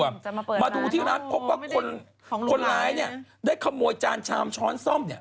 จะมาเปิดร้านมาดูที่ร้านพบว่าคนของหลุงรายเนี่ยได้ขโมยจานชามช้อนส้อมเนี่ย